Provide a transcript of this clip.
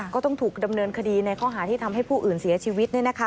ก็ต้องถูกดำเนินคดีในข้อหาที่ทำให้ผู้อื่นเสียชีวิต